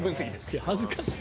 いや恥ずかしいな。